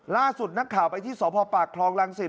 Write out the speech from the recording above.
ล่าสุดนักข่าวไปที่สพปากคลองรังสิต